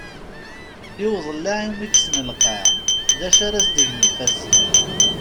I uḍellaε umi yekkes lqaε, d acu ara s-d-gen yifassen?